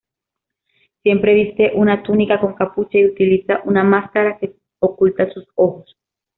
Siempre viste una túnica con capucha y utiliza una máscara que oculta sus ojos.